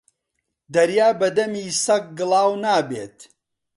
دەریا بە دەمی سەگ گڵاو نابێت